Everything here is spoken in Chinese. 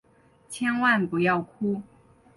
千万不要哭！